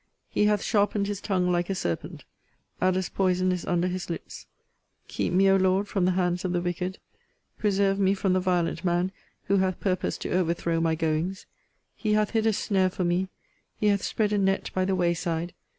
He hath sharpened his tongue like a serpent. Adders' poison is under his lips. Keep me, O Lord, from the hands of the wicked. Preserve me from the violent man, who hath purposed to overthrow my goings. He hath hid a snare for me. He hath spread a net by the way side.